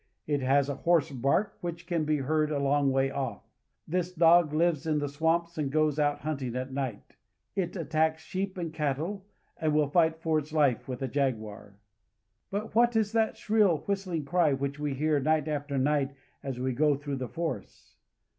It has a hoarse bark, which can be heard a long way off. This u g lives in the swamps and goes out hunt ing at night.. Itattackssheep and cattle, and will fight for its Hfe with a jaguar. But what is that shrill, whistling cry which we hear night after night as we go through the forests?